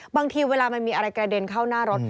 บางทีเวลามันมีอะไรกระเด็นเข้าหน้ารถ